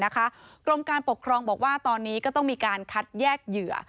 กรมการปกครองบอกว่าตอนนี้ก็ต้องมีการคัดแยกเหยื่อ